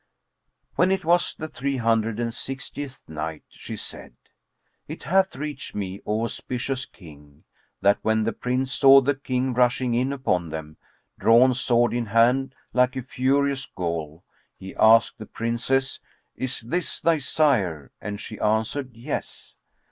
When it was the Three Hundred and Sixtieth Night, She said, It hath reached me, O auspicious King, that when the Price saw the King rushing in upon them, drawn sword in hand, like a furious Ghul he asked the Princess, "Is this thy sire?"; and she answered, "Yes."